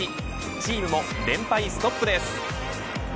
チームも連敗ストップです。